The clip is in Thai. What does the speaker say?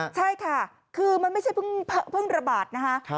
ใช่ค่ะคือมันไม่ใช่เพิ่งระบาดนะคะ